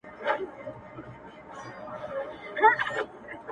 زه هوسۍ له لوړو څوکو پرزومه.!